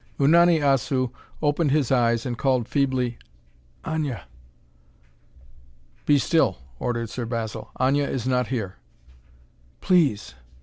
Unani Assu opened his eyes and called feebly, "Aña!" "Be still!" ordered Sir Basil. "Aña is not here." "Please!"